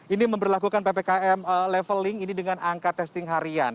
ini memperlakukan ppkm leveling ini dengan angka testing harian